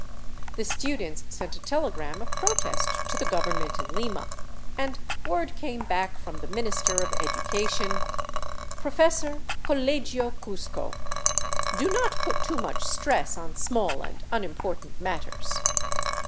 The students sent a tele gram of protest to the government in Lima, and word came back from the Minister of Education: " Professor , Colegio, Cuzco : Do not put too much stress on small and unimportant matters.'